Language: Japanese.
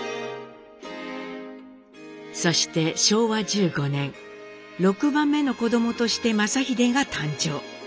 そして昭和１５年６番目の子どもとして正英が誕生。